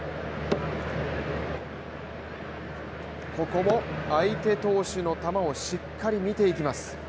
ここも相手投手の球をしっかり見ていきます。